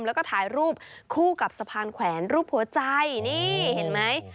แล้วก็ถ่ายรูปคู่กับสะพานแขวนรูปหัวใจนี่เห็นไหม